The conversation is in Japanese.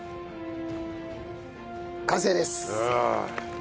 完成です！